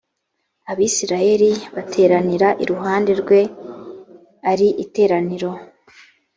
abisirayeli bateranira iruhande rwe ari iteraniro